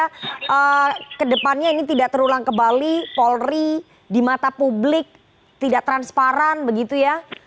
karena kedepannya ini tidak terulang kembali polri di mata publik tidak transparan begitu ya